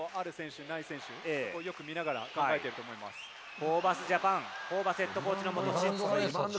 ホーバスＪＡＰＡＮ、ホーバスＨＣの言葉。